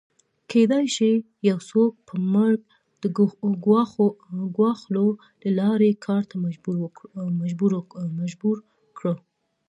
کېدای شي یو څوک په مرګ د ګواښلو له لارې کار ته مجبور کړو